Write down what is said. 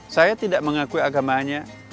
saya tidak mengakui agamanya